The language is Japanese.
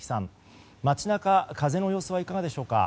街中風の様子はいかがでしょうか。